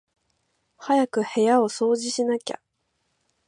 早く部屋を掃除しなきゃ